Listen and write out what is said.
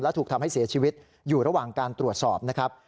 ถูกทำให้เสียชีวิตอยู่ระหว่างการตรวจสอบนะครับ